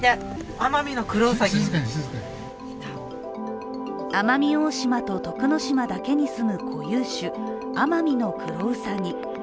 奄美大島と徳之島だけに住む固有種、アマミノクロウサギ。